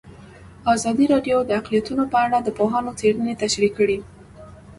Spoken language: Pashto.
ازادي راډیو د اقلیتونه په اړه د پوهانو څېړنې تشریح کړې.